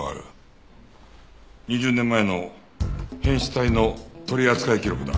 ２０年前の変死体の取り扱い記録だ。